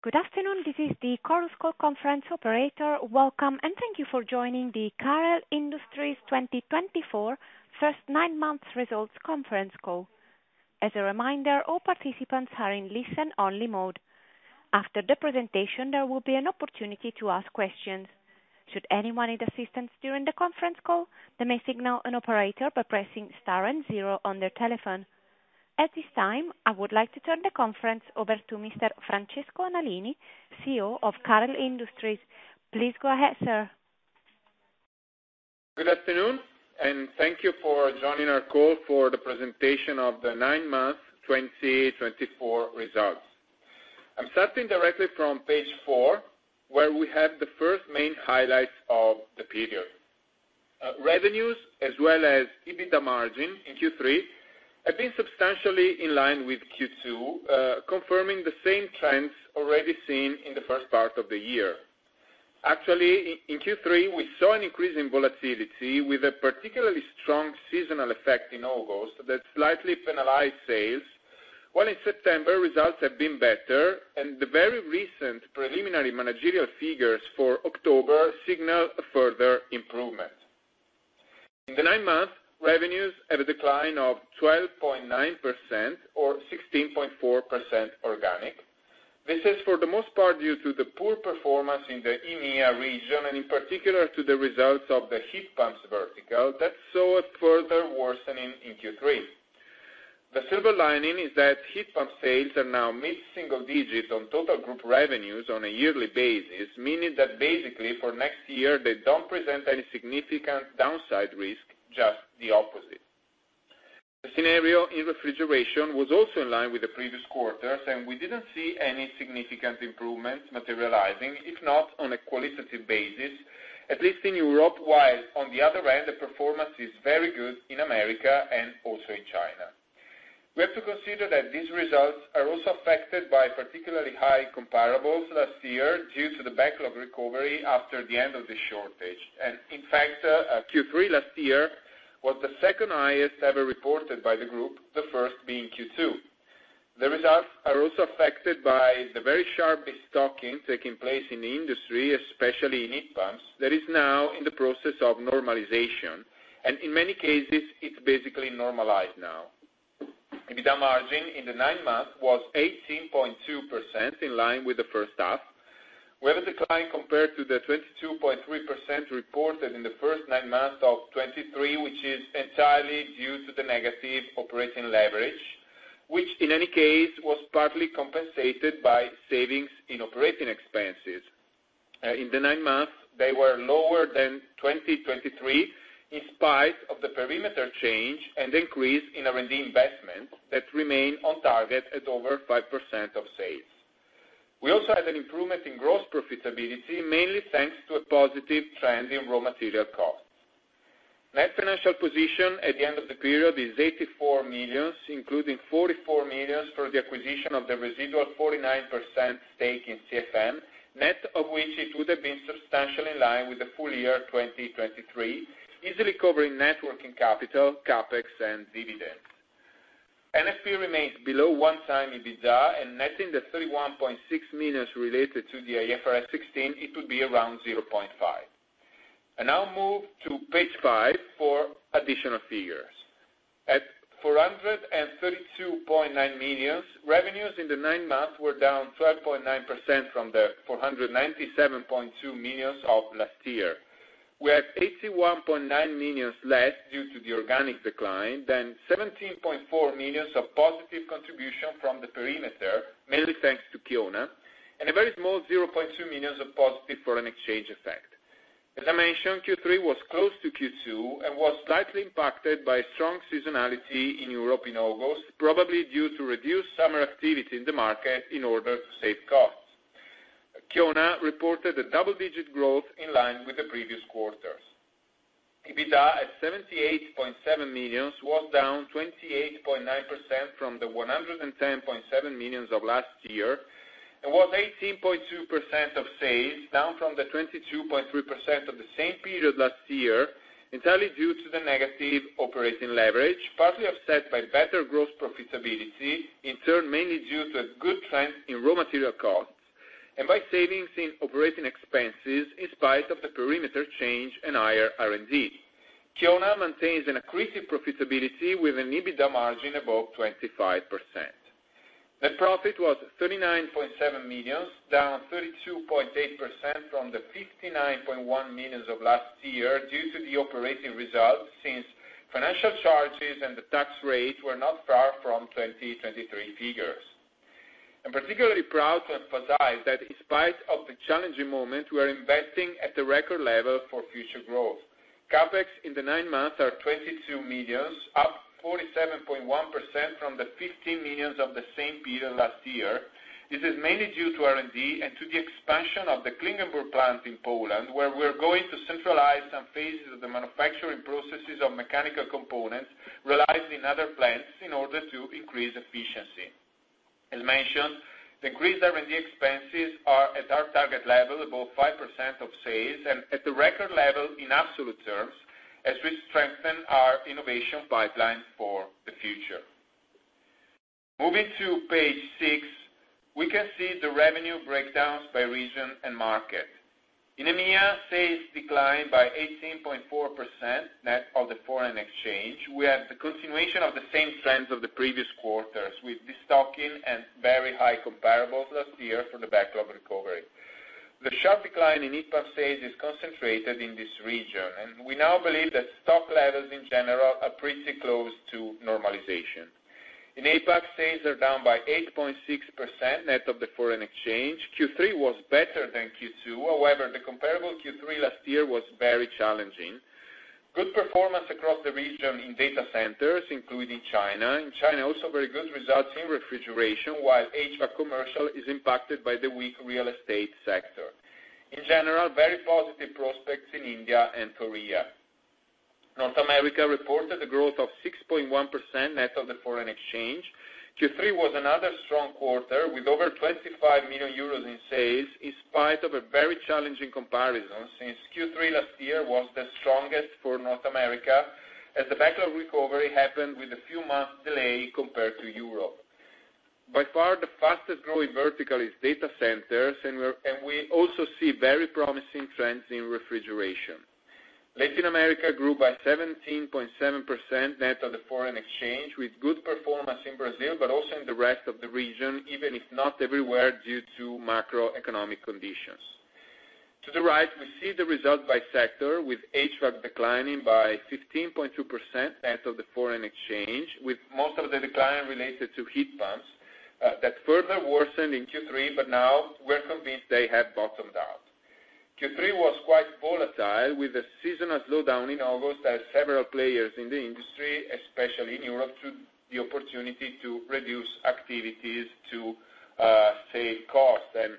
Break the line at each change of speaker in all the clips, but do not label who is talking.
Good afternoon, this is the CAREL's call conference operator. Welcome, and thank you for joining the CAREL INDUSTRIES 2024 First Nine Months Results Conference Call. As a reminder, all participants are in listen-only mode. After the presentation, there will be an opportunity to ask questions. Should anyone need assistance during the conference call, they may signal an operator by pressing star and zero on their telephone. At this time, I would like to turn the conference over to Mr. Francesco Nalini, CEO of CAREL INDUSTRIES. Please go ahead, sir.
Good afternoon, and thank you for joining our call for the presentation of the nine months 2024 results. I'm starting directly from page four, where we have the first main highlights of the period. Revenues, as well as EBITDA margin in Q3, have been substantially in line with Q2, confirming the same trends already seen in the first part of the year. Actually, in Q3, we saw an increase in volatility, with a particularly strong seasonal effect in August that slightly penalized sales, while in September, results have been better, and the very recent preliminary managerial figures for October signal further improvement. In the nine months, revenues have a decline of 12.9%, or 16.4% organic. This is, for the most part, due to the poor performance in the EMEA region, and in particular to the results of the heat pumps vertical that saw a further worsening in Q3. The silver lining is that heat pump sales are now mid-single digits on total group revenues on a yearly basis, meaning that, basically, for next year, they don't present any significant downside risk, just the opposite. The scenario in refrigeration was also in line with the previous quarters, and we didn't see any significant improvements materializing, if not on a qualitative basis, at least in Europe, while, on the other hand, the performance is very good in America and also in China. We have to consider that these results are also affected by particularly high comparables last year due to the backlog recovery after the end of the shortage, and, in fact, Q3 last year was the second highest ever reported by the group, the first being Q2. The results are also affected by the very sharp de-stocking taking place in the industry, especially in heat pumps, that is now in the process of normalization, and in many cases, it's basically normalized now. EBITDA margin in the nine months was 18.2%, in line with the first half. We have a decline compared to the 22.3% reported in the first nine months of 2023, which is entirely due to the negative operating leverage, which, in any case, was partly compensated by savings in operating expenses. In the nine months, they were lower than 2023, in spite of the perimeter change and increase in R&D investment that remained on target at over 5% of sales. We also had an improvement in gross profitability, mainly thanks to a positive trend in raw material costs. Net financial position at the end of the period is 84 million, including 44 million for the acquisition of the residual 49% stake in CFM, net of which it would have been substantially in line with the full year 2023, easily covering net working capital, CapEx, and dividends. NFP remains below one times EBITDA, and netting the 31.6 million related to the IFRS 16, it would be around 0.5. Now move to page five for additional figures. At 432.9 million, revenues in the nine months were down 12.9% from the 497.2 million of last year. We have 81.9 million less due to the organic decline, then 17.4 million of positive contribution from the perimeter, mainly thanks to Kiona, and a very small 0.2 million of positive foreign exchange effect. As I mentioned, Q3 was close to Q2 and was slightly impacted by strong seasonality in Europe in August, probably due to reduced summer activity in the market in order to save costs. Kiona reported a double-digit growth in line with the previous quarters. EBITDA at 78.7 million was down 28.9% from the 110.7 million of last year and was 18.2% of sales, down from the 22.3% of the same period last year, entirely due to the negative operating leverage, partly offset by better gross profitability, in turn mainly due to a good trend in raw material costs and by savings in operating expenses in spite of the perimeter change and higher R&D. Kiona maintains an accretive profitability with an EBITDA margin above 25%. Net profit was 39.7 million, down 32.8% from the 59.1 million of last year due to the operating result, since financial charges and the tax rate were not far from 2023 figures. I'm particularly proud to emphasize that in spite of the challenging moment, we are investing at the record level for future growth. CapEx in the nine months is 22 million, up 47.1% from the 15 million of the same period last year. This is mainly due to R&D and to the expansion of the Klingenburg plant in Poland, where we are going to centralize some phases of the manufacturing processes of mechanical components realized in other plants in order to increase efficiency. As mentioned, the increased R&D expenses are at our target level above 5% of sales and at the record level in absolute terms, as we strengthen our innovation pipeline for the future. Moving to page six, we can see the revenue breakdowns by region and market. In EMEA, sales declined by 18.4% net of the foreign exchange. We have the continuation of the same trends of the previous quarters with the de-stocking and very high comparables last year for the backlog recovery. The sharp decline in heat pump sales is concentrated in this region, and we now believe that stock levels in general are pretty close to normalization. In APAC, sales are down by 8.6% net of the foreign exchange. Q3 was better than Q2, however, the comparable Q3 last year was very challenging. Good performance across the region in data centers, including China. In China, also very good results in refrigeration, while HVAC commercial is impacted by the weak real estate sector. In general, very positive prospects in India and Korea. North America reported a growth of 6.1% net of the foreign exchange. Q3 was another strong quarter with over 25 million euros in sales, in spite of a very challenging comparison since Q3 last year was the strongest for North America, as the backlog recovery happened with a few months' delay compared to Europe. By far, the fastest growing vertical is data centers, and we also see very promising trends in refrigeration. Latin America grew by 17.7% net of the foreign exchange, with good performance in Brazil, but also in the rest of the region, even if not everywhere due to macroeconomic conditions. To the right, we see the result by sector, with HVAC declining by 15.2% net of the foreign exchange, with most of the decline related to heat pumps that further worsened in Q3, but now we're convinced they have bottomed out. Q3 was quite volatile, with a seasonal slowdown in August as several players in the industry, especially in Europe, took the opportunity to reduce activities to save costs, and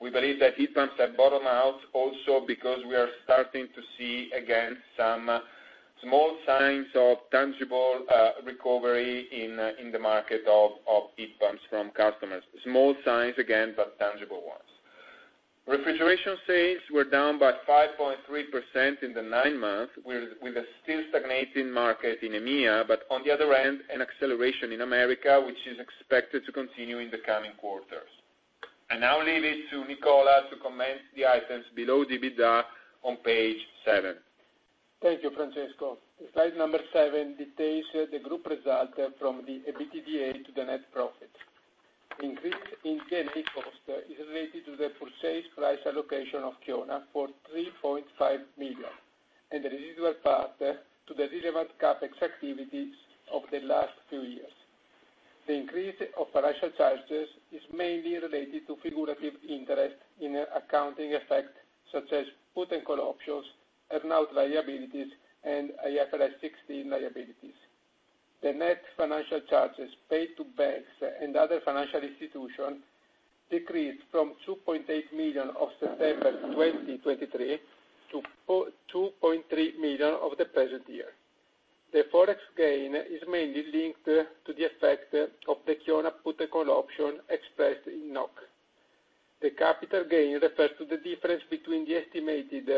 we believe that heat pumps have bottomed out also because we are starting to see again some small signs of tangible recovery in the market of heat pumps from customers. Small signs again, but tangible ones. Refrigeration sales were down by 5.3% in the nine months, with a still stagnating market in EMEA, but on the other hand, an acceleration in America, which is expected to continue in the coming quarters, and now leave it to Nicola to comment the items below EBITDA on page seven.
Thank you, Francesco. Slide number seven details the group result from the EBITDA to the net profit. The increase in D&A cost is related to the purchase price allocation of Kiona for 3.5 million, and the residual part to the relevant CapEx activities of the last few years. The increase of financial charges is mainly related to figurative interest in accounting effect, such as put and call options, earn-out liabilities, and IFRS 16 liabilities. The net financial charges paid to banks and other financial institutions decreased from 2.8 million of September 2023 to 2.3 million of the present year. The forex gain is mainly linked to the effect of the Kiona put and call option expressed in NOK. The capital gain refers to the difference between the estimated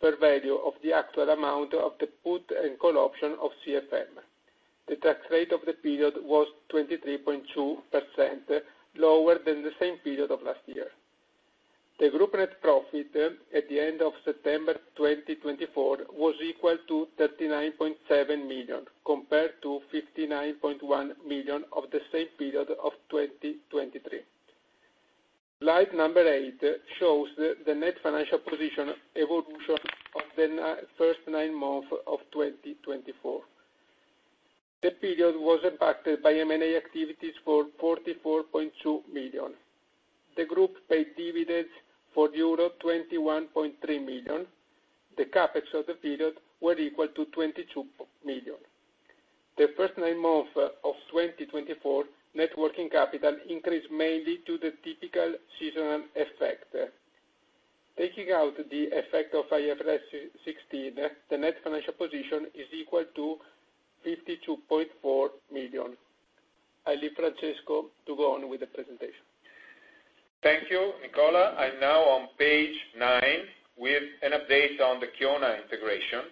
fair value of the actual amount of the put and call option of CFM. The tax rate of the period was 23.2%, lower than the same period of last year. The group net profit at the end of September 2024 was equal to 39.7 million, compared to 59.1 million of the same period of 2023. Slide number eight shows the net financial position evolution of the first nine months of 2024. The period was impacted by M&A activities for 44.2 million. The group paid dividends for euro 21.3 million. The CapEx of the period was equal to 22 million. The first nine months of 2024 net working capital increased mainly due to the typical seasonal effect. Taking out the effect of IFRS 16, the net financial position is equal to 52.4 million. I leave Francesco to go on with the presentation.
Thank you, Nicola. I'm now on page nine with an update on the Kiona integration.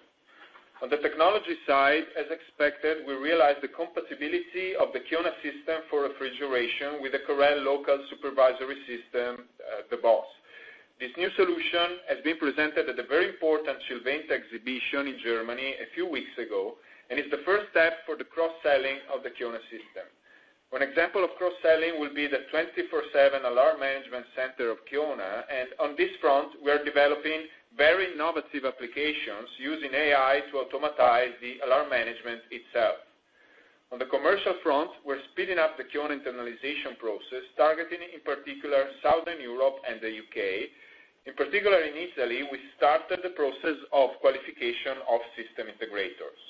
On the technology side, as expected, we realized the compatibility of the Kiona system for refrigeration with the CAREL Local Supervisory System, the Boss. This new solution has been presented at a very important Chillventa exhibition in Germany a few weeks ago, and it's the first step for the cross-selling of the Kiona system. One example of cross-selling will be the 24/7 alarm management center of Kiona, and on this front, we are developing very innovative applications using AI to automate the alarm management itself. On the commercial front, we're speeding up the Kiona internationalization process, targeting in particular Southern Europe and the U.K. In particular, in Italy, we started the process of qualification of system integrators.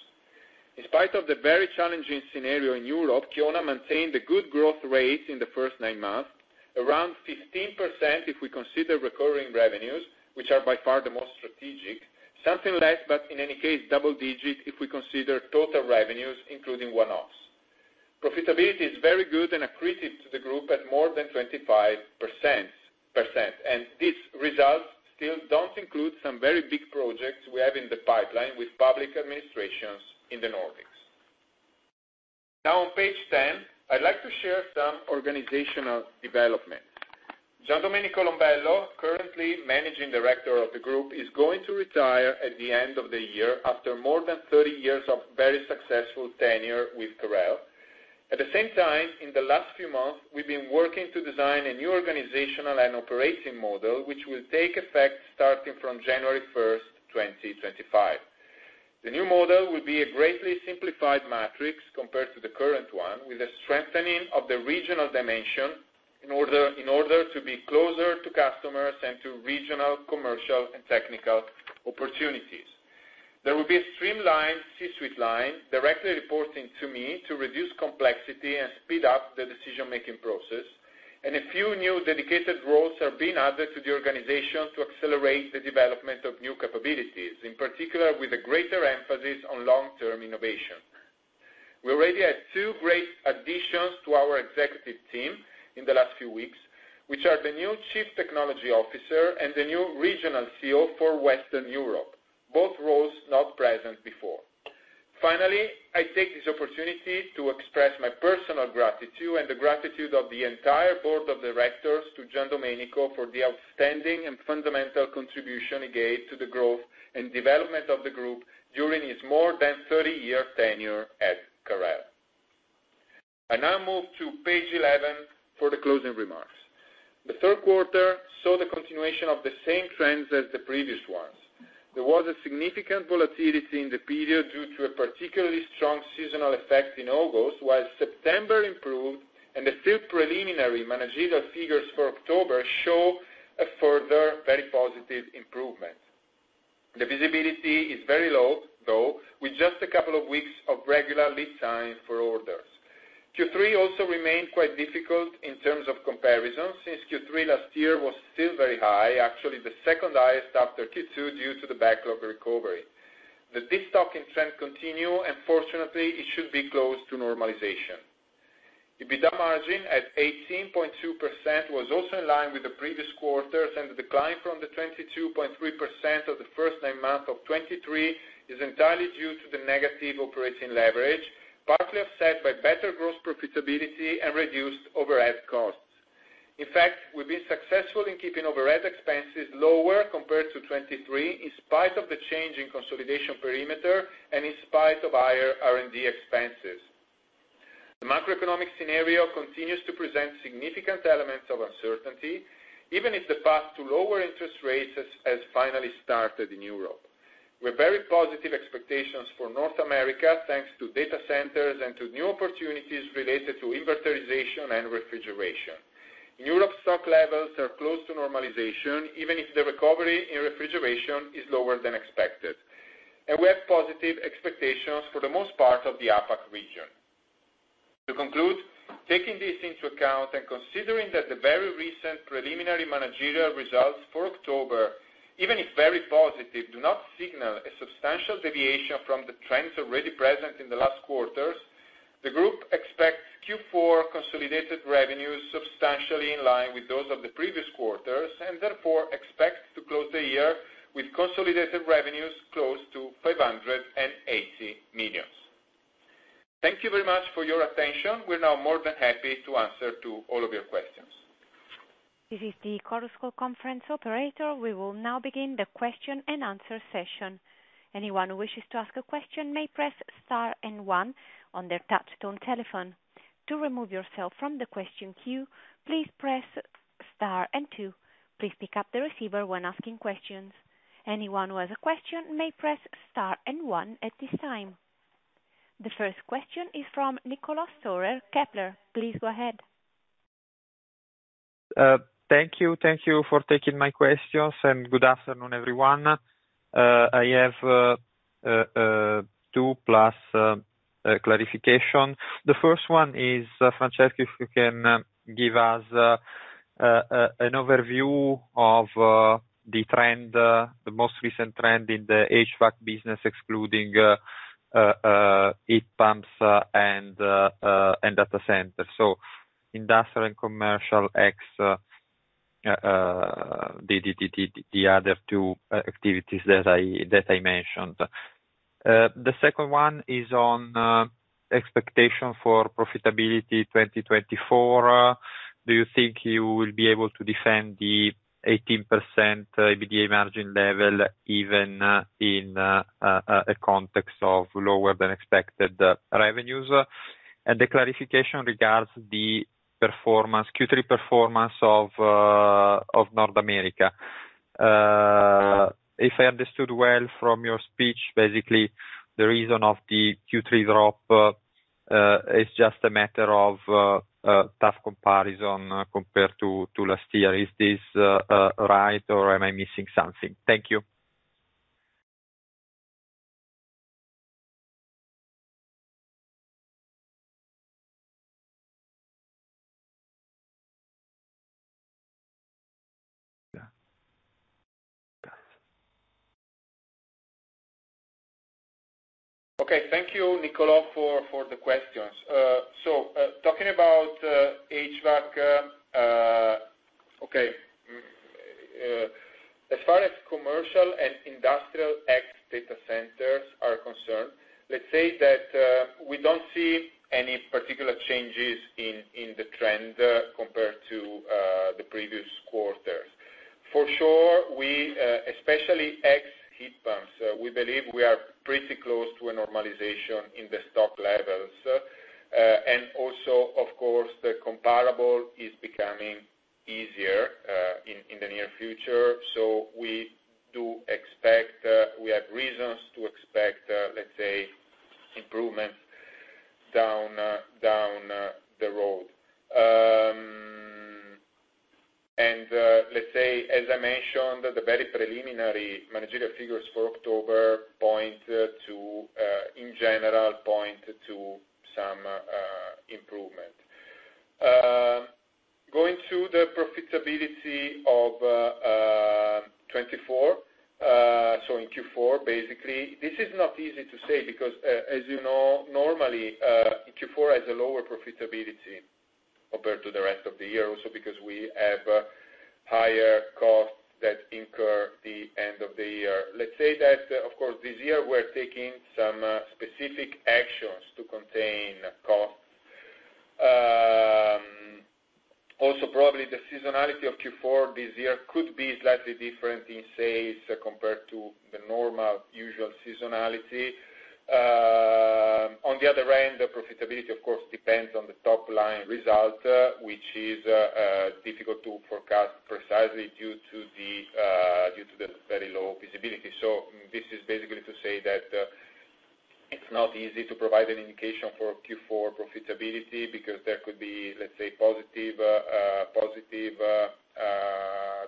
In spite of the very challenging scenario in Europe, Kiona maintained a good growth rate in the first nine months, around 15% if we consider recurring revenues, which are by far the most strategic, something less, but in any case, double-digit if we consider total revenues, including one-offs. Profitability is very good and accretive to the group at more than 25%, and these results still don't include some very big projects we have in the pipeline with public administrations in the Nordics. Now on page 10, I'd like to share some organizational developments. Giandomenico Lombello, currently managing director of the group, is going to retire at the end of the year after more than 30 years of very successful tenure with CAREL. At the same time, in the last few months, we've been working to design a new organizational and operating model which will take effect starting from January 1st, 2025. The new model will be a greatly simplified matrix compared to the current one, with a strengthening of the regional dimension in order to be closer to customers and to regional commercial and technical opportunities. There will be a streamlined C-suite line directly reporting to me to reduce complexity and speed up the decision-making process, and a few new dedicated roles are being added to the organization to accelerate the development of new capabilities, in particular with a greater emphasis on long-term innovation. We already had two great additions to our executive team in the last few weeks, which are the new Chief Technology Officer and the new Regional CEO for Western Europe, both roles not present before. Finally, I take this opportunity to express my personal gratitude and the gratitude of the entire board of directors to Giandomenico for the outstanding and fundamental contribution he gave to the growth and development of the group during his more than 30-year tenure at CAREL. I now move to page 11 for the closing remarks. The third quarter saw the continuation of the same trends as the previous ones. There was a significant volatility in the period due to a particularly strong seasonal effect in August, while September improved, and the still preliminary managerial figures for October show a further very positive improvement. The visibility is very low, though, with just a couple of weeks of regular lead time for orders. Q3 also remained quite difficult in terms of comparison since Q3 last year was still very high, actually the second highest after Q2 due to the backlog recovery. The de-stocking trend continued, and fortunately, it should be close to normalization. EBITDA margin at 18.2% was also in line with the previous quarters, and the decline from the 22.3% of the first nine months of 2023 is entirely due to the negative operating leverage, partly offset by better gross profitability and reduced overhead costs. In fact, we've been successful in keeping overhead expenses lower compared to 2023, in spite of the change in consolidation perimeter and in spite of higher R&D expenses. The macroeconomic scenario continues to present significant elements of uncertainty, even if the path to lower interest rates has finally started in Europe. We have very positive expectations for North America thanks to data centers and to new opportunities related to inverterization and refrigeration. In Europe, stock levels are close to normalization, even if the recovery in refrigeration is lower than expected. We have positive expectations for the most part of the APAC region. To conclude, taking this into account and considering that the very recent preliminary managerial results for October, even if very positive, do not signal a substantial deviation from the trends already present in the last quarters, the group expects Q4 consolidated revenues substantially in line with those of the previous quarters, and therefore expects to close the year with consolidated revenues close to 580 million. Thank you very much for your attention. We're now more than happy to answer all of your questions.
This is the CAREL conference operator. We will now begin the question and answer session. Anyone who wishes to ask a question may press star and one on their touch-tone telephone. To remove yourself from the question queue, please press star and two. Please pick up the receiver when asking questions. Anyone who has a question may press star and one at this time. The first question is from Niccolò Storer, Kepler. Please go ahead.
Thank you. Thank you for taking my questions, and good afternoon, everyone. I have two plus clarifications. The first one is, Francesco, if you can give us an overview of the trend, the most recent trend in the HVAC business, excluding heat pumps and data centers. So industrial and commercial excluding the other two activities that I mentioned. The second one is on expectation for profitability 2024. Do you think you will be able to defend the 18% EBITDA margin level even in a context of lower than expected revenues? And the clarification regards the Q3 performance of North America. If I understood well from your speech, basically the reason of the Q3 drop is just a matter of tough comparison compared to last year. Is this right, or am I missing something? Thank you.
Okay. Thank you, Niccolò, for the questions. So talking about HVAC, okay, as far as commercial and industrial excluding data centers are concerned, let's say that we don't see any particular changes in the trend compared to the previous quarters. For sure, especially excluding heat pumps, we believe we are pretty close to a normalization in the stock levels. And also, of course, the comparable is becoming easier in the near future. So we do expect we have reasons to expect, let's say, improvements down the road. And let's say, as I mentioned, the very preliminary managerial figures for October point to, in general, some improvement. Going to the profitability of 2024, so in Q4, basically, this is not easy to say because, as you know, normally Q4 has a lower profitability compared to the rest of the year, also because we have higher costs that incur at the end of the year. Let's say that, of course, this year we're taking some specific actions to contain costs. Also, probably the seasonality of Q4 this year could be slightly different in sales compared to the normal usual seasonality. On the other end, the profitability, of course, depends on the top-line result, which is difficult to forecast precisely due to the very low visibility. So this is basically to say that it's not easy to provide an indication for Q4 profitability because there could be, let's say, positive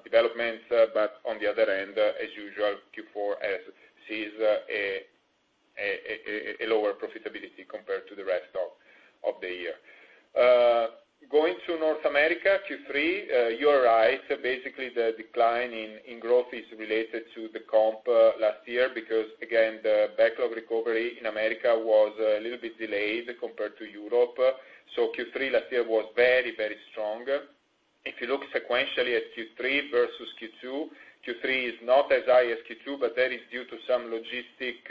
developments. But on the other end, as usual, Q4 sees a lower profitability compared to the rest of the year. Going to North America, Q3, you're right. Basically the decline in growth is related to the comp last year because, again, the backlog recovery in America was a little bit delayed compared to Europe. So Q3 last year was very, very strong. If you look sequentially at Q3 versus Q2, Q3 is not as high as Q2, but that is due to some logistic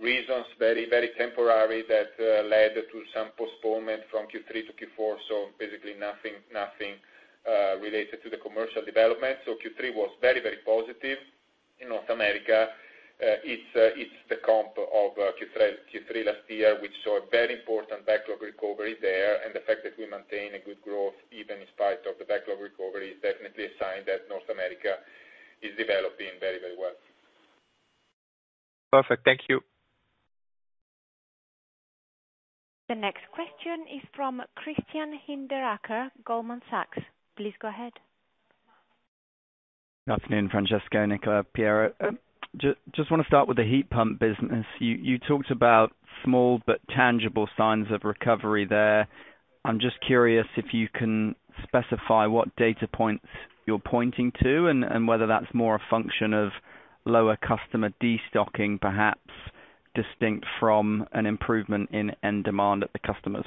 reasons, very, very temporary, that led to some postponement from Q3 to Q4. So basically nothing related to the commercial development. So Q3 was very, very positive. In North America, it's the comp of Q3 last year, which saw a very important backlog recovery there. The fact that we maintain a good growth even in spite of the backlog recovery is definitely a sign that North America is developing very, very well.
Perfect. Thank you.
The next question is from Christian Hinderaker, Goldman Sachs. Please go ahead.
Good afternoon, Francesco, Nicola, (of CAREL). Just want to start with the heat pump business. You talked about small but tangible signs of recovery there. I'm just curious if you can specify what data points you're pointing to and whether that's more a function of lower customer de-stocking, perhaps distinct from an improvement in end demand at the customers?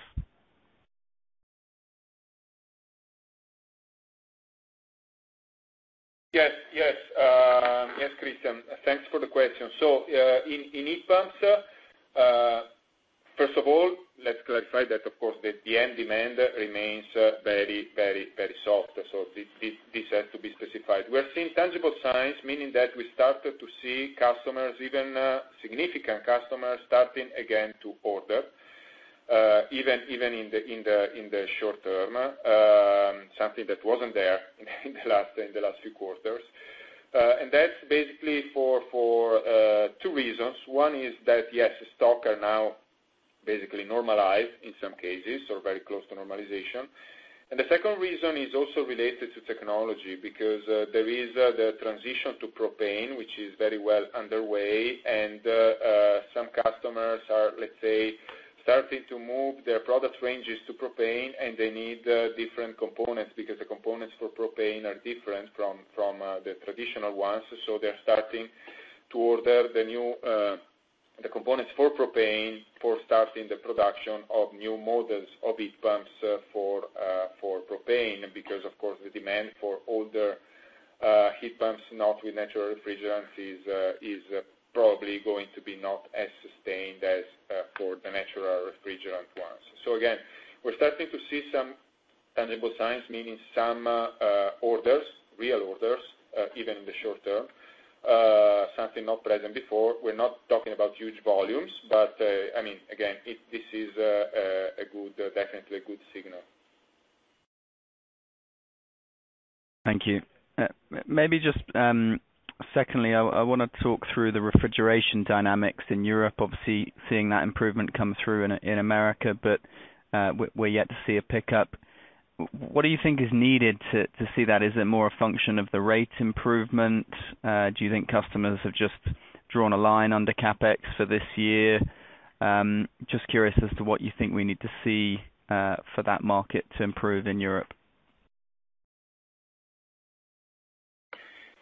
Yes. Yes. Yes, Christian, thanks for the question. So in heat pumps, first of all, let's clarify that, of course, the end demand remains very, very, very soft. So this has to be specified. We're seeing tangible signs, meaning that we started to see customers, even significant customers, starting again to order, even in the short term, something that wasn't there in the last few quarters. And that's basically for two reasons. One is that, yes, stock are now basically normalized in some cases or very close to normalization. And the second reason is also related to technology because there is the transition to propane, which is very well underway. And some customers are, let's say, starting to move their product ranges to propane, and they need different components because the components for propane are different from the traditional ones. So they're starting to order the new components for propane for starting the production of new models of heat pumps for propane because, of course, the demand for older heat pumps, not with natural refrigerant, is probably going to be not as sustained as for the natural refrigerant ones. So again, we're starting to see some tangible signs, meaning some orders, real orders, even in the short term, something not present before. We're not talking about huge volumes, but I mean, again, this is definitely a good signal.
Thank you. Maybe just secondly, I want to talk through the refrigeration dynamics in Europe, obviously seeing that improvement come through in America, but we're yet to see a pickup. What do you think is needed to see that? Is it more a function of the rate improvement? Do you think customers have just drawn a line under CapEx for this year? Just curious as to what you think we need to see for that market to improve in Europe.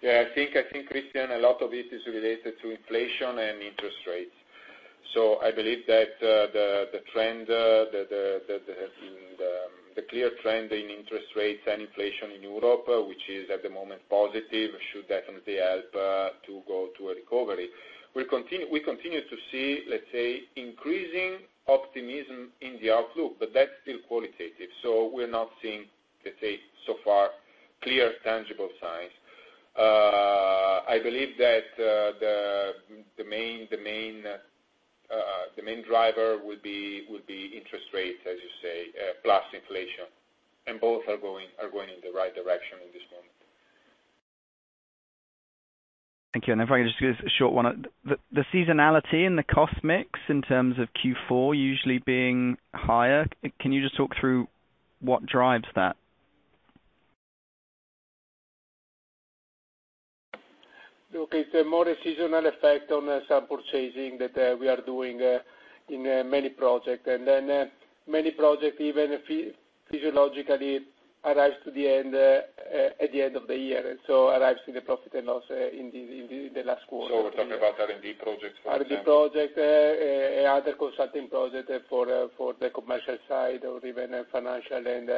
Yeah. I think, Christian, a lot of it is related to inflation and interest rates. So I believe that the clear trend in interest rates and inflation in Europe, which is at the moment positive, should definitely help to go to a recovery. We continue to see, let's say, increasing optimism in the outlook, but that's still qualitative. So we're not seeing, let's say, so far clear tangible signs. I believe that the main driver will be interest rates, as you say, plus inflation. And both are going in the right direction at this moment.
Thank you. And if I can just give you a short one, the seasonality and the cost mix in terms of Q4 usually being higher, can you just talk through what drives that?
Okay. It's a more seasonal effect on some purchasing that we are doing in many projects. And then many projects, even physiologically, arrive at the end of the year, so arrive in the profit and loss in the last quarter.
So we're talking about R&D projects, for example.
R&D projects and other consulting projects for the commercial side or even financial and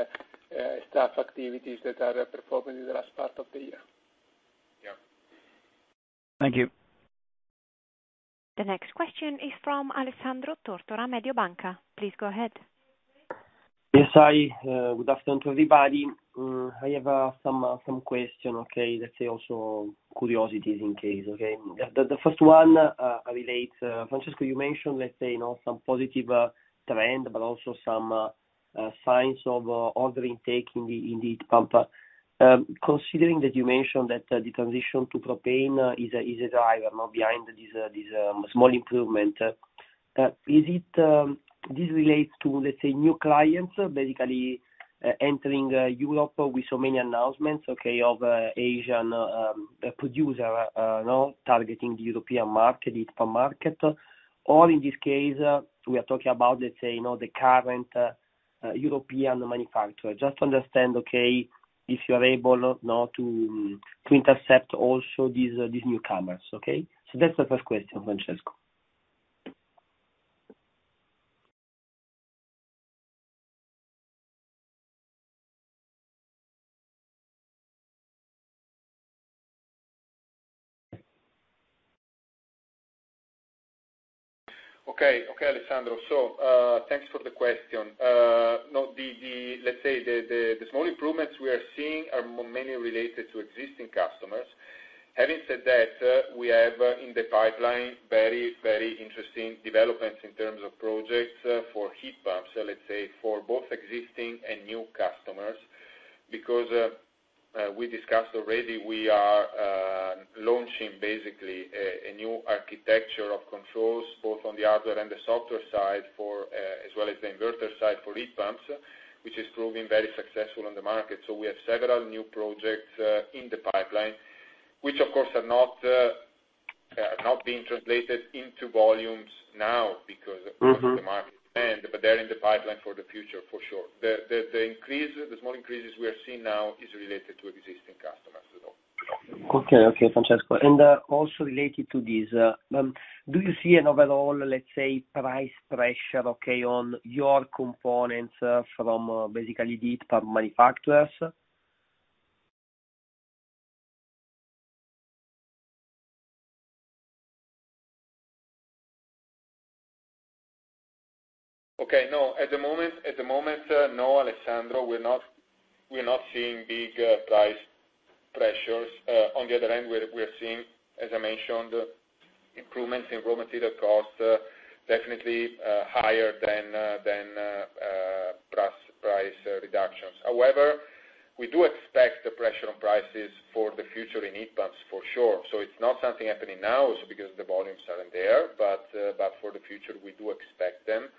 staff activities that are performing in the last part of the year.
Yeah. Thank you.
The next question is from Alessandro Tortora, Mediobanca. Please go ahead.
Yes. Hi. Good afternoon to everybody. I have some questions, okay, let's say also curiosities in case. Okay. The first one relates, Francesco, you mentioned, let's say, some positive trend, but also some signs of order intake in the heat pump. Considering that you mentioned that the transition to propane is a driver behind this small improvement, is it related to, let's say, new clients basically entering Europe with so many announcements, okay, of Asian producers targeting the European market, the heat pump market. Or in this case, we are talking about, let's say, the current European manufacturers. Just to understand, okay, if you are able to intercept also these newcomers, okay? So that's the first question, Francesco.
Okay. Okay, Alessandro, so thanks for the question. No, let's say the small improvements we are seeing are mainly related to existing customers. Having said that, we have in the pipeline very, very interesting developments in terms of projects for heat pumps, let's say, for both existing and new customers because we discussed already we are launching basically a new architecture of controls both on the hardware and the software side as well as the inverter side for heat pumps, which is proving very successful on the market, so we have several new projects in the pipeline, which, of course, are not being translated into volumes now because of the market demand, but they're in the pipeline for the future for sure. The small increases we are seeing now are related to existing customers.
Okay. Okay, Francesco, and also related to this, do you see an overall, let's say, price pressure, okay, on your components from basically the heat pump manufacturers?
Okay. No, at the moment, no, Alessandro. We're not seeing big price pressures. On the other end, we're seeing, as I mentioned, improvements in raw material costs, definitely higher than price reductions. However, we do expect the pressure on prices for the future in heat pumps for sure. So it's not something happening now also because the volumes aren't there, but for the future, we do expect them.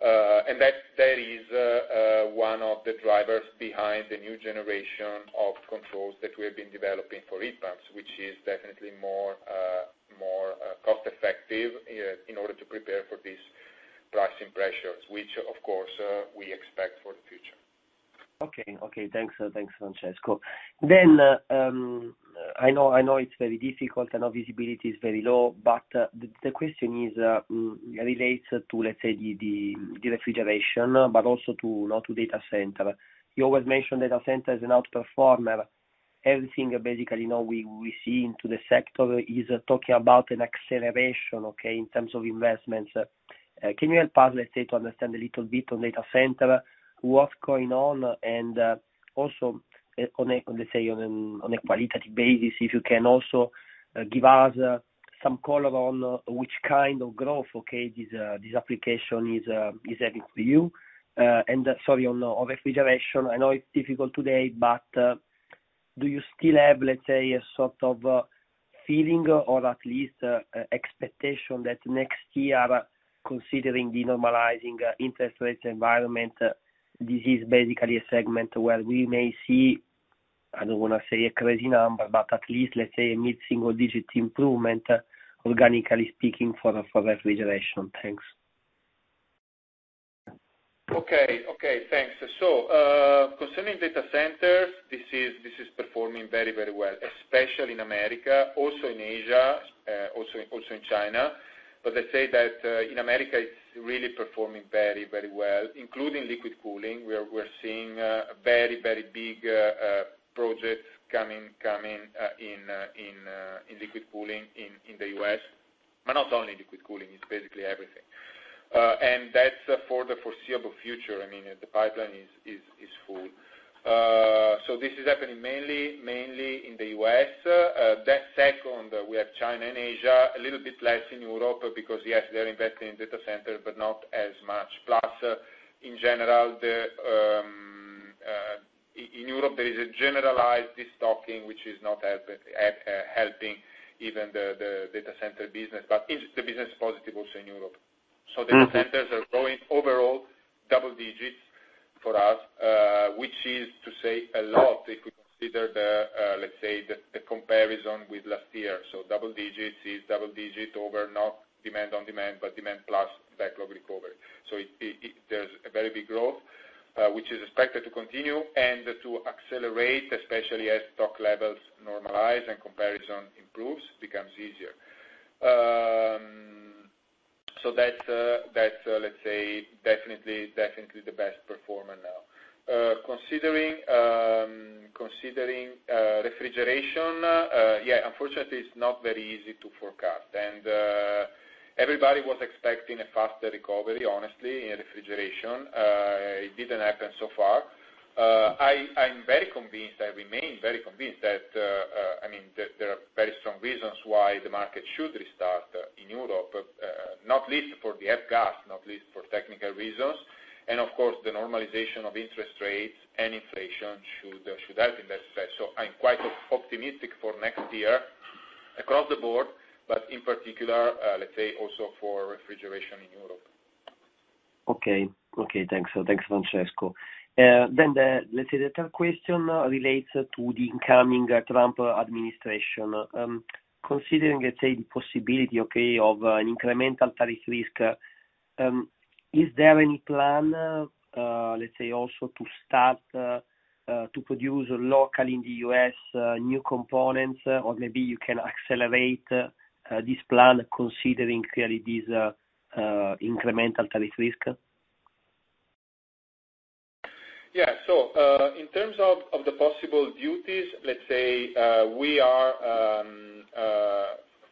And that is one of the drivers behind the new generation of controls that we have been developing for heat pumps, which is definitely more cost-effective in order to prepare for these pricing pressures, which, of course, we expect for the future.
Okay. Okay. Thanks, Francesco. Then I know it's very difficult and visibility is very low, but the question relates to, let's say, the refrigeration, but also to data center. You always mentioned data center as an outperformer. Everything basically we see into the sector is talking about an acceleration, okay, in terms of investments. Can you help us, let's say, to understand a little bit on data center, what's going on, and also, let's say, on a qualitative basis, if you can also give us some color on which kind of growth, okay, this application is having for you? Sorry, on refrigeration, I know it's difficult today, but do you still have, let's say, a sort of feeling or at least expectation that next year, considering the normalizing interest rates environment, this is basically a segment where we may see, I don't want to say a crazy number, but at least, let's say, a mid-single-digit improvement, organically speaking, for refrigeration? Thanks.
Okay. Okay. Thanks. So concerning data centers, this is performing very, very well, especially in America, also in Asia, also in China. But let's say that in America, it's really performing very, very well, including liquid cooling. We're seeing very, very big projects coming in liquid cooling in the U.S., but not only liquid cooling. It's basically everything. And that's for the foreseeable future. I mean, the pipeline is full. So this is happening mainly in the U.S. Secondly, we have China and Asia, a little bit less in Europe because, yes, they're investing in data centers, but not as much. Plus, in general, in Europe, there is a generalized de-stocking, which is not helping even the data center business. But the business is positive also in Europe. So data centers are growing overall double digits for us, which is to say a lot if we consider the, let's say, the comparison with last year. So double digits is double digit over not demand on demand, but demand plus backlog recovery. So there's a very big growth, which is expected to continue and to accelerate, especially as stock levels normalize and comparison improves, becomes easier. So that's, let's say, definitely the best performer now. Considering refrigeration, yeah, unfortunately, it's not very easy to forecast. And everybody was expecting a faster recovery, honestly, in refrigeration. It didn't happen so far. I'm very convinced, I remain very convinced that, I mean, there are very strong reasons why the market should restart in Europe, not least for the F-gas, not least for technical reasons. And of course, the normalization of interest rates and inflation should help in that sense. I'm quite optimistic for next year across the board, but in particular, let's say, also for refrigeration in Europe.
Okay. Thanks, Francesco. Then, let's say, the third question relates to the incoming Trump administration. Considering, let's say, the possibility, okay, of an incremental tariff risk, is there any plan, let's say, also to start to produce locally in the U.S. new components, or maybe you can accelerate this plan considering clearly this incremental tariff risk?
Yeah. So in terms of the possible duties, let's say, we are,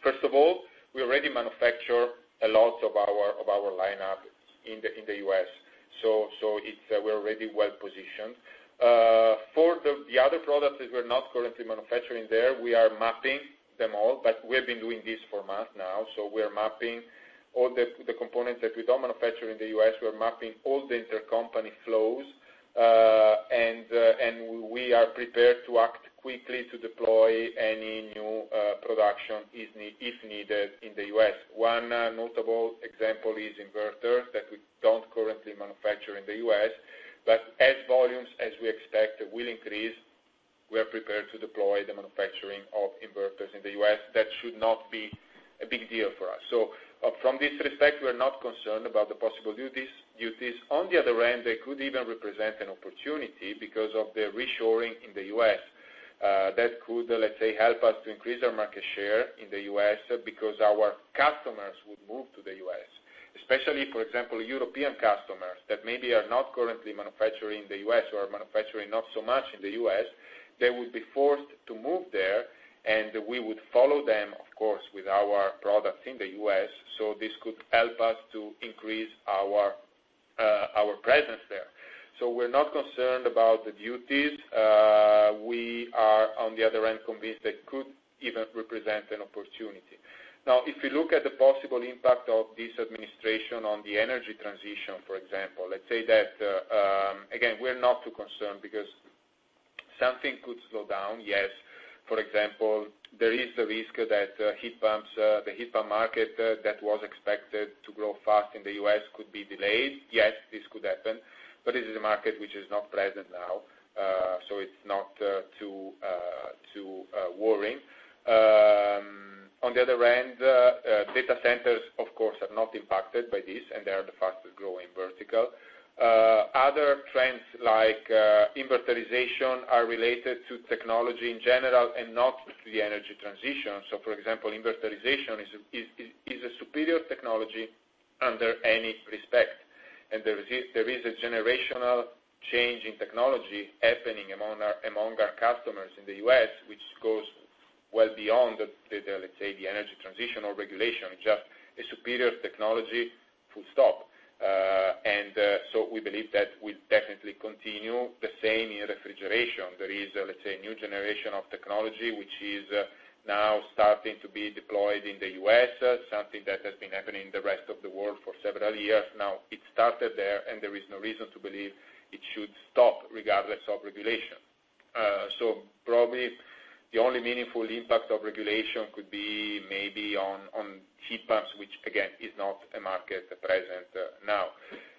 first of all, we already manufacture a lot of our lineup in the U.S. So we're already well positioned. For the other products that we're not currently manufacturing there, we are mapping them all, but we have been doing this for months now. So we're mapping all the components that we don't manufacture in the U.S. We're mapping all the intercompany flows, and we are prepared to act quickly to deploy any new production if needed in the U.S. One notable example is inverters that we don't currently manufacture in the U.S., but as volumes as we expect will increase, we are prepared to deploy the manufacturing of inverters in the U.S. That should not be a big deal for us. So from this respect, we're not concerned about the possible duties. On the other hand, they could even represent an opportunity because of the reshoring in the U.S. That could, let's say, help us to increase our market share in the U.S. because our customers would move to the U.S., especially, for example, European customers that maybe are not currently manufacturing in the U.S. or manufacturing not so much in the U.S. They would be forced to move there, and we would follow them, of course, with our products in the U.S., so this could help us to increase our presence there, so we're not concerned about the duties. We are, on the other hand, convinced that could even represent an opportunity. Now, if you look at the possible impact of this administration on the energy transition, for example, let's say that, again, we're not too concerned because something could slow down. Yes, for example, there is the risk that the heat pump market that was expected to grow fast in the U.S. could be delayed. Yes, this could happen, but this is a market which is not present now, so it's not too worrying. On the other hand, data centers, of course, are not impacted by this, and they are the fastest growing vertical. Other trends like inverterization are related to technology in general and not to the energy transition. So, for example, inverterization is a superior technology under any respect. And there is a generational change in technology happening among our customers in the U.S., which goes well beyond, let's say, the energy transition or regulation. It's just a superior technology, full stop. And so we believe that will definitely continue the same in refrigeration. There is, let's say, a new generation of technology which is now starting to be deployed in the U.S., something that has been happening in the rest of the world for several years. Now, it started there, and there is no reason to believe it should stop regardless of regulation. So probably the only meaningful impact of regulation could be maybe on heat pumps, which, again, is not a market present now.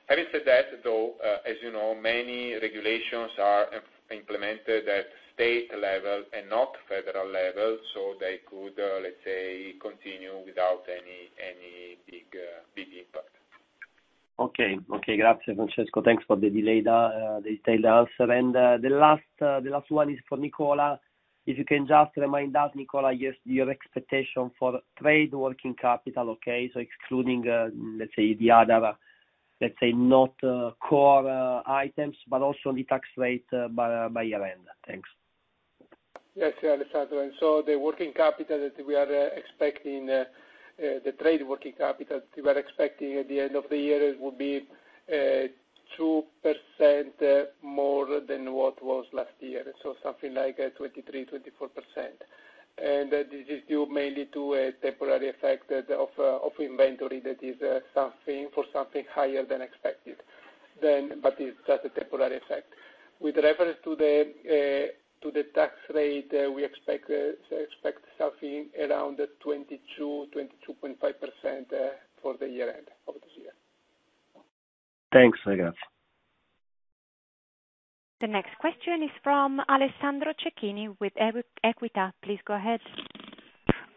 Having said that, though, as you know, many regulations are implemented at state level and not federal level, so they could, let's say, continue without any big impact.
Okay. Okay. [unintelligible] Francesco. Thanks for the detailed answer. The last one is for Nicola. If you can just remind us, Nicola, your expectation for trade working capital, okay, so excluding, let's say, the other, let's say, not core items, but also the tax rate by year-end. Thanks.
Yes, Alessandro. And so the working capital that we are expecting, the trade working capital that we are expecting at the end of the year will be 2% more than what was last year, so something like 23%-24%. And this is due mainly to a temporary effect of inventory that is for something higher than expected, but it's just a temporary effect. With reference to the tax rate, we expect something around 22%-22.5% for the year-end of this year.
Thanks, guys.
The next question is from Alessandro Cecchini with Equita. Please go ahead.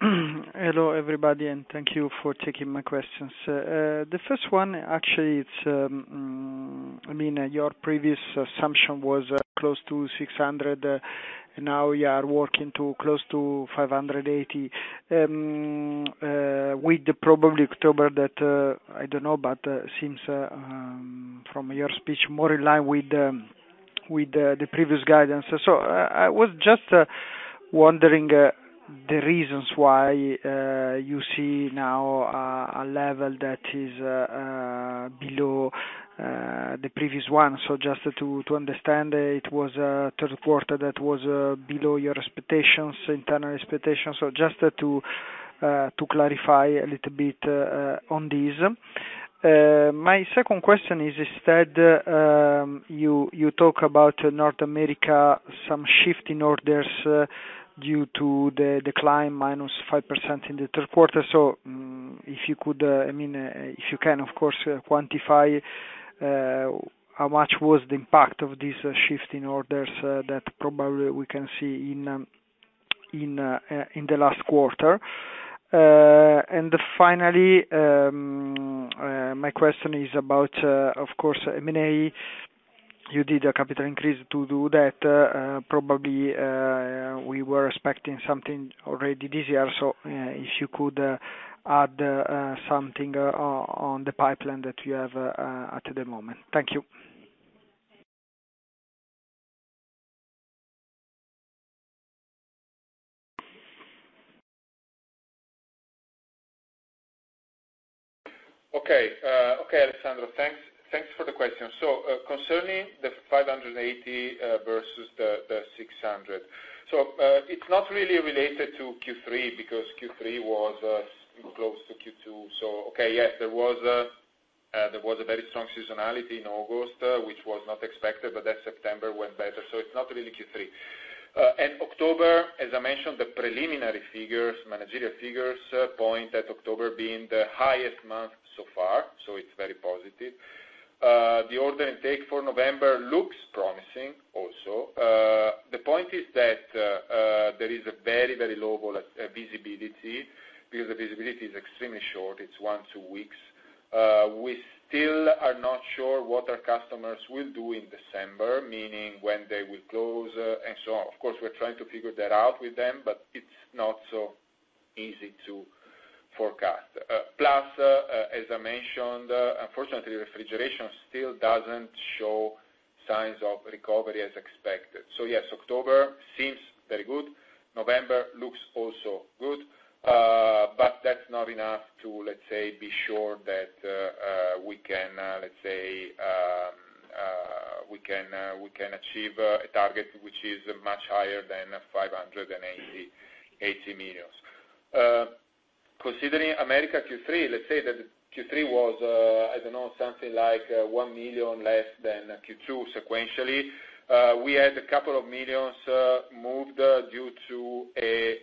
Hello everybody, and thank you for taking my questions. The first one, actually, it's, I mean, your previous assumption was close to 600 million, and now you are working to close to 580 million with probably October, that I don't know, but seems from your speech more in line with the previous guidance. So I was just wondering the reasons why you see now a level that is below the previous one. So just to understand, it was a third quarter that was below your expectations, internal expectations. So just to clarify a little bit on these. My second question is instead you talk about North America some shift in orders due to the decline -5% in the third quarter. So if you could, I mean, if you can, of course, quantify how much was the impact of this shift in orders that probably we can see in the last quarter. Finally, my question is about, of course, M&A. You did a capital increase to do that. Probably we were expecting something already this year. So if you could add something on the pipeline that you have at the moment? Thank you.
Okay. Okay, Alessandro. Thanks for the question. So concerning the 580 million versus the 600 million, so it's not really related to Q3 because Q3 was close to Q2. So okay, yes, there was a very strong seasonality in August, which was not expected, but that September went better. So it's not really Q3. And October, as I mentioned, the preliminary figures, managerial figures point at October being the highest month so far, so it's very positive. The order intake for November looks promising also. The point is that there is a very, very low visibility because the visibility is extremely short. It's one, two weeks. We still are not sure what our customers will do in December, meaning when they will close and so on. Of course, we're trying to figure that out with them, but it's not so easy to forecast. Plus, as I mentioned, unfortunately, refrigeration still doesn't show signs of recovery as expected. So yes, October seems very good. November looks also good, but that's not enough to, let's say, be sure that we can, let's say, we can achieve a target which is much higher than 580 million. Considering America Q3, let's say that Q3 was, I don't know, something like 1 million less than Q2 sequentially. We had a couple of million EUR moved due to a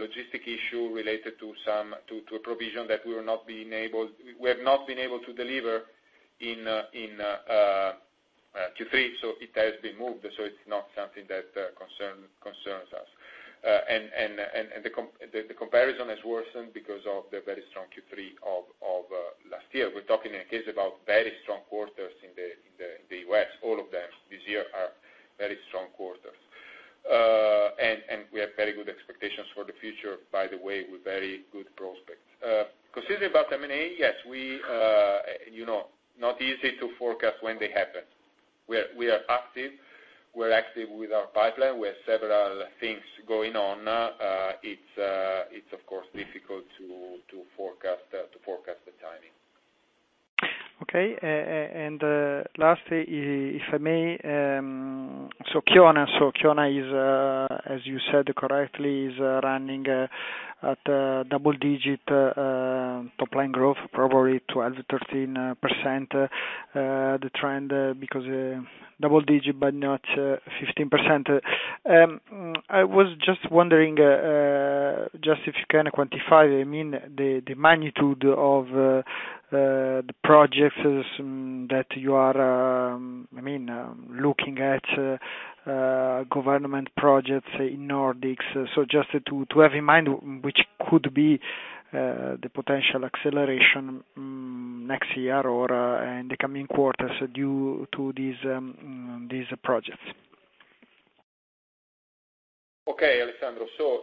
logistic issue related to a provision that we have not been able to deliver in Q3, so it has been moved. So it's not something that concerns us. And the comparison has worsened because of the very strong Q3 of last year. We're talking in case about very strong quarters in the U.S. All of them this year are very strong quarters. We have very good expectations for the future, by the way, with very good prospects. Considering about M&A, yes, it's not easy to forecast when they happen. We are active. We're active with our pipeline. We have several things going on. It's, of course, difficult to forecast the timing.
Okay. And lastly, if I may, so Kiona, so Kiona is, as you said correctly, running at double digit top-line growth, probably 12%-13%. The trend because double digit, but not 15%. I was just wondering just if you can quantify, I mean, the magnitude of the projects that you are, I mean, looking at, government projects in Nordics. So just to have in mind which could be the potential acceleration next year or in the coming quarters due to these projects.
Okay, Alessandro. So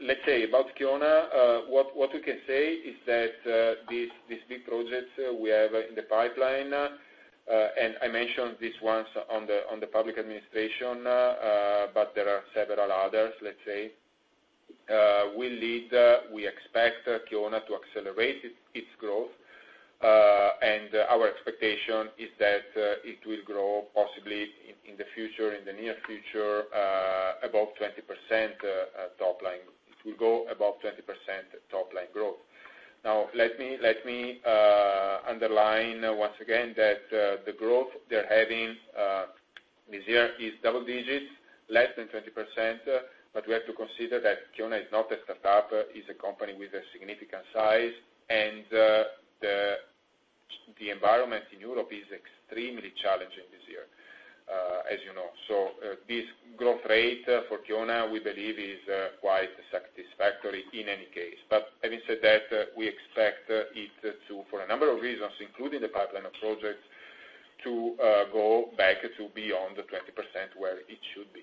let's say about Kiona, what we can say is that these big projects we have in the pipeline, and I mentioned these ones on the public administration, but there are several others, let's say. We believe, we expect Kiona to accelerate its growth, and our expectation is that it will grow possibly in the future, in the near future, above 20% top-line. It will go above 20% top-line growth. Now, let me underline once again that the growth they're having this year is double digit, less than 20%, but we have to consider that Kiona is not a startup. It's a company with a significant size, and the environment in Europe is extremely challenging this year, as you know. So this growth rate for Kiona, we believe, is quite satisfactory in any case. But having said that, we expect it to, for a number of reasons, including the pipeline of projects, to go back to beyond 20% where it should be.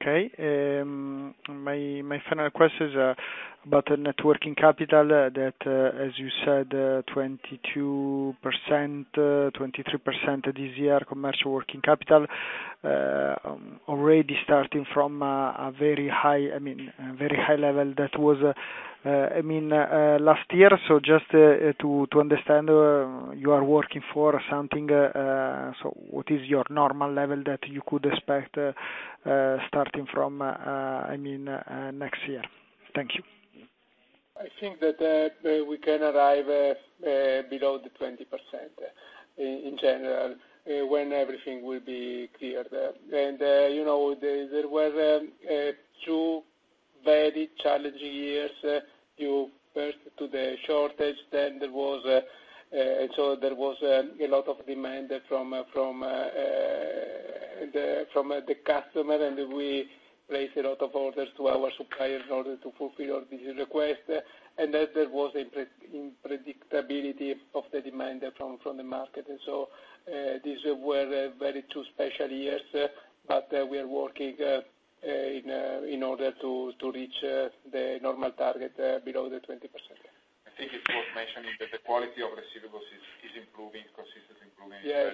Okay. My final question is about net working capital that, as you said, 22%, 23% this year, commercial working capital, already starting from a very high, I mean, very high level that was, I mean, last year. So just to understand, you are working for something. So what is your normal level that you could expect starting from, I mean, next year? Thank you.
I think that we can arrive below the 20% in general when everything will be cleared. There were two very challenging years. Due first to the shortage, then there was a lot of demand from the customer, and we placed a lot of orders to our suppliers in order to fulfill all these requests. Then there was unpredictability of the demand from the market. So these were two very special years, but we are working in order to reach the normal target below the 20%. I think it's worth mentioning that the quality of the sales business is improving, consistently improving. Yes,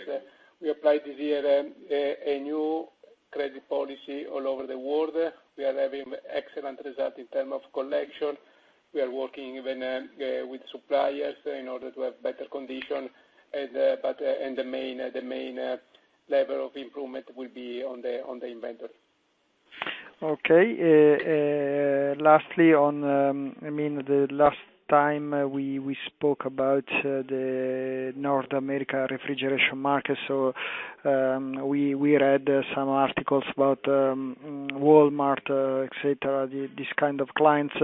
we applied this year a new credit policy all over the world. We are having excellent results in terms of collection. We are working even with suppliers in order to have better conditions, but the main level of improvement will be on the inventory.
Okay. Lastly, I mean, the last time we spoke about the North America refrigeration market, so we read some articles about Walmart, etc., these kind of clients.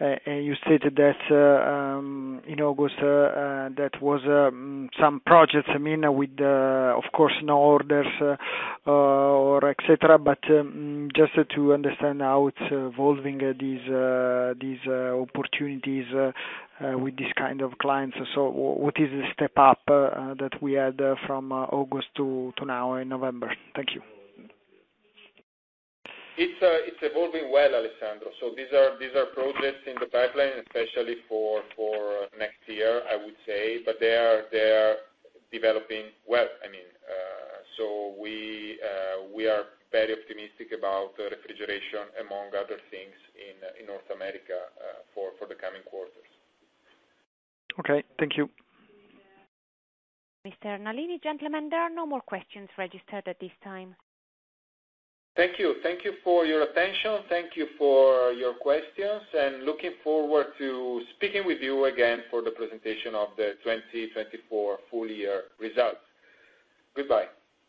And you stated that in August that was some projects, I mean, with, of course, no orders or etc., but just to understand how it's evolving, these opportunities with these kind of clients. So what is the step up that we had from August to now in November? Thank you.
It's evolving well, Alessandro. So these are projects in the pipeline, especially for next year, I would say, but they are developing well, I mean. So we are very optimistic about refrigeration, among other things, in North America for the coming quarters.
Okay. Thank you.
Mr. Nalini, gentlemen, there are no more questions registered at this time.
Thank you. Thank you for your attention. Thank you for your questions, and looking forward to speaking with you again for the presentation of the 2024 full year results. Goodbye.